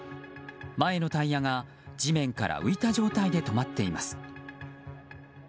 前のタイヤが地面から浮いた状態で止まっています。